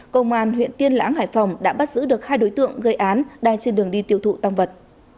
công an huyện tiên lãng hải phòng đã bắt giữ được hai đối tượng gây án đang trên đường đi tiêu thụ tăng vật